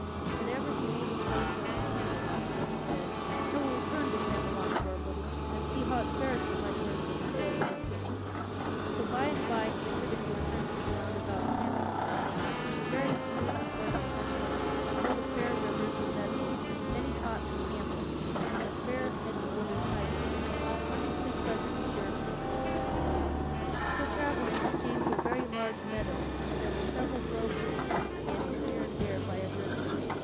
But ever he made his way toward Camelot, for he said: "I will return to Camelot for a little, and see how it fares with my friends at the court of the King." [Sidenote: Sir Launcelot perceives three knights at feast] So by and by he entered into the country around about Camelot, which is a very smooth and fertile country, full of fair rivers and meadows with many cots and hamlets, and with fair hedge bordered highways, wonderfully pleasant to journey in. So travelling he came to a very large meadow where were several groves of trees standing here and there along by a river.